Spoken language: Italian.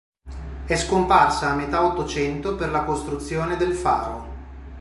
È scomparsa a metà Ottocento per la costruzione del faro.